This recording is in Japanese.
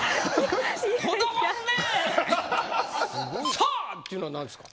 「さー！」っていうのは何ですか？